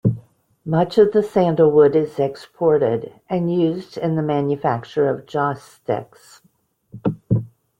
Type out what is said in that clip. Much of the sandalwood is exported, and used in the manufacture of joss sticks.